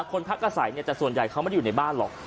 พักอาศัยแต่ส่วนใหญ่เขาไม่ได้อยู่ในบ้านหรอก